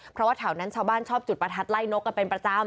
เพราะว่าแถวนั้นชาวบ้านชอบจุดประทัดไล่นกกันเป็นประจำ